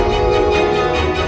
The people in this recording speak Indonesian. masih sama ya